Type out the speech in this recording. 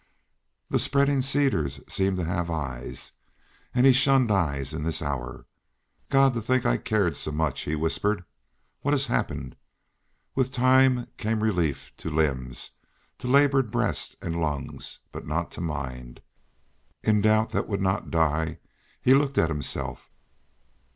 The spreading cedars seemed to have eyes; and he shunned eyes in this hour. "God! to think I cared so much," he whispered. "What has happened?" With time relief came to limbs, to labored breast and lungs, but not to mind. In doubt that would not die, he looked at himself.